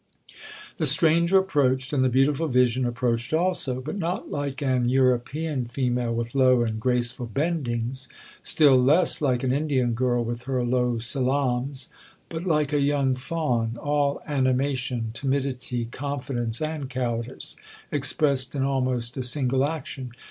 'The stranger approached, and the beautiful vision approached also, but not like an European female with low and graceful bendings, still less like an Indian girl with her low salams, but like a young fawn, all animation, timidity, confidence, and cowardice, expressed in almost a single action.